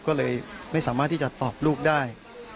ก็เลยไม่สามารถที่จะตอบลูกได้